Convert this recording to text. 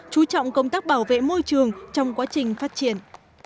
chú trọng công tác bảo vệ môi trường trong quá trình phát triển